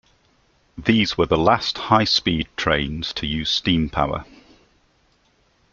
These were the last "high-speed" trains to use steam power.